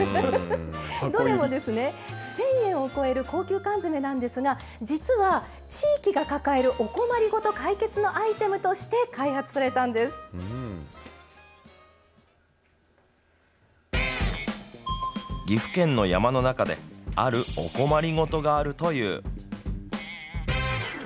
どれもですね１０００円を超える高級缶詰なんですが実は、地域が抱えるお困りごと解決のアイテムとして岐阜県の山の中であるお困りごとがあるという。